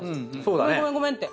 ごめんごめんごめんって。